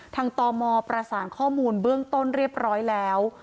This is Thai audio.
ตมประสานข้อมูลเบื้องต้นเรียบร้อยแล้ว